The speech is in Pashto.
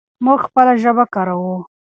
موږ خپله ژبه کاروو.